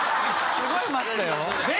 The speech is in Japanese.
すごい待ってたよ。